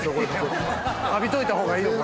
浴びといた方がいいよこれ。